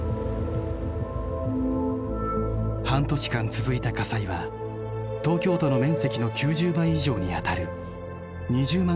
半年間続いた火災は東京都の面積の９０倍以上にあたる２０万